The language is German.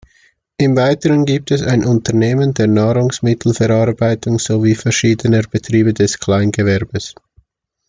Im Weiteren gibt es ein Unternehmen der Nahrungsmittelverarbeitung sowie verschiedene Betriebe des Kleingewerbes.